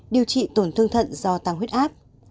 điều trị tổn thương thận do tăng huyết áp